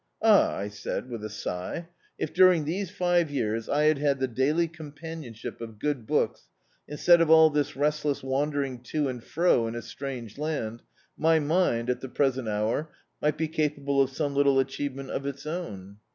"Ah!" I said, with a sigh, "if during these five years I had had the daily companionship of good books, instead of all this restless wandering to and fro in a strange land, my mind, at the present hour, might be capable of some little achievement of its own."